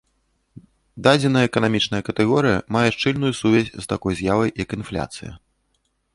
Дадзеная эканамічная катэгорыя мае шчыльную сувязь з такой з'явай, як інфляцыя.